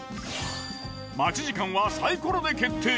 待ち時間はサイコロで決定。